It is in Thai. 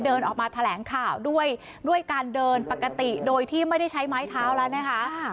เดินออกมาแถลงข่าวด้วยด้วยการเดินปกติโดยที่ไม่ได้ใช้ไม้เท้าแล้วนะคะ